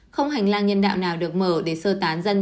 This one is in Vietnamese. không hành lang nhân đạo nào được mở để sơ tán dân